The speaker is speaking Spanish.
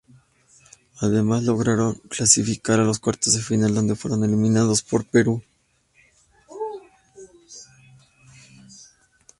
Además lograron clasificar a los cuartos de final donde fueron eliminados por Perú.